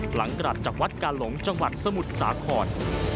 หลังกลับจากวัดกาหลงจังหวัดสมุทรสาคร